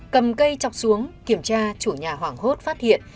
cầm cây chọc xuống kiểm tra chủ nhà hoảng hốt phát hiện